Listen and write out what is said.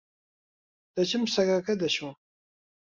دەچم سەگەکە دەشۆم.